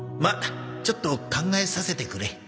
まちょっと考えさせてくれ。